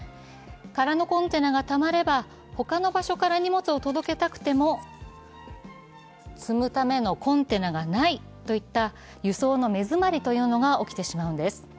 空のコンテナがたまれば、他の場所から荷物を届けたくても積むためのコンテナがないといった輸送の目詰まりというのが起きてしまうのです。